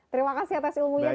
terima kasih atas ilmunya